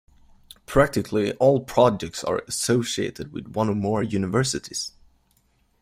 Practically all projects are associated with one or more universities.